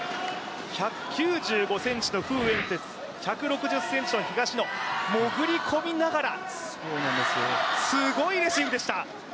１９５ｃｍの馮彦哲、１６０ｃｍの東野潜り込みながら、すごいレシーブでした。